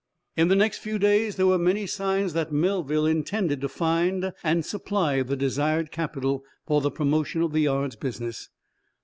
In the next few days there were many signs that Melville intended to find and supply the desired capital for the promotion of the yard's business.